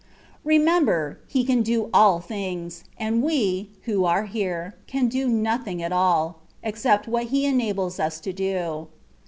Remember, He can do all things, and we, who are here, can do nothing at all, except what He enables us to do.